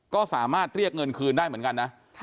ก็สามารถเรียกเงินคืนได้เหมือนกันนะ